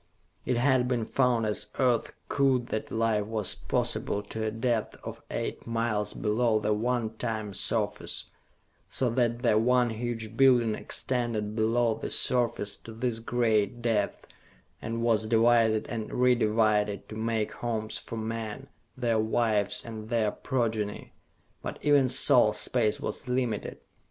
It had been found as Earth cooled that life was possible to a depth of eight miles below the one time surface, so that the one huge building extended below the surface to this great depth, and was divided and re divided to make homes for men, their wives, and their progeny. But even so, space was limited.